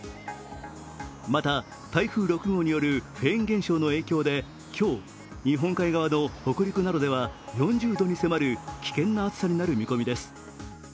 また台風６号によるフェーン現象の影響で今日、日本海側の北陸などでは４０度に迫る危険な暑さになる見込みです。